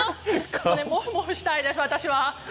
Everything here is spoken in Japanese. もふもふしたいです、私は。